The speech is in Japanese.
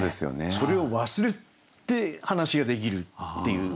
それを忘れて話ができるっていう。